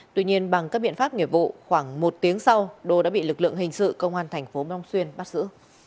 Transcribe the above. tuy nhiên bằng các biện pháp nghiệp vụ khoảng một tiếng sau đô đã bị lực lượng hình sự công an thành phố long xuyên bắt giữ